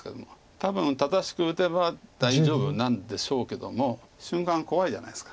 多分正しく打てば大丈夫なんでしょうけども瞬間怖いじゃないですか。